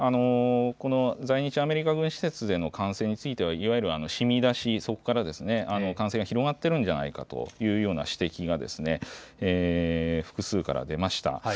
この在日アメリカ軍施設での感染については、いわゆる染み出し、そこから感染が広がってるんじゃないかというような指摘が複数から出ました。